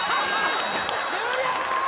終了！